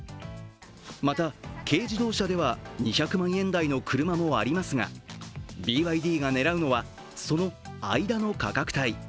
また軽自動車では２００万円台の車もありますがＢＹＤが狙うのはその間の価格帯。